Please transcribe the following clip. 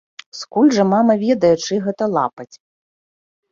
Скуль жа мама ведае, чый гэта лапаць.